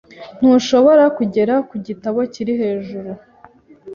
Ntushobora kugera ku gitabo kiri hejuru?